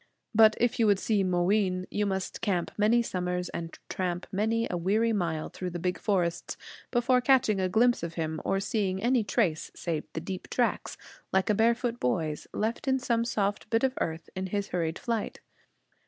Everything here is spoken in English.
But if you would see Mooween, you must camp many summers, and tramp many a weary mile through the big forests before catching a glimpse of him, or seeing any trace save the deep tracks, like a barefoot boy's, left in some soft bit of earth in his hurried flight.